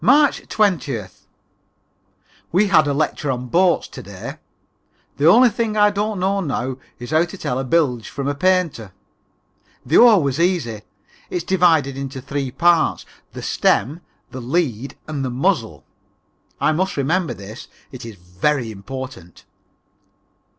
March 20th. We had a lecture on boats to day. The only thing I don't know now is how to tell a bilge from a painter. The oar was easy. It is divided into three parts, the stem, the lead and the muzzle. I must remember this, it is very important.